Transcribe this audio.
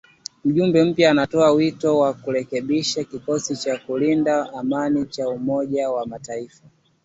Mjumbe mpya anatoa wito wa kurekebishwa kikosi cha kulinda amani cha umoja wa mataifa